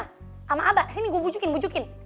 sini sama abah gue bujukin bujukin